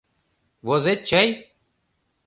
Возет чай?